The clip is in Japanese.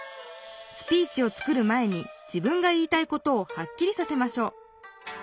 スピーチを作る前に自分が言いたいことをはっきりさせましょう。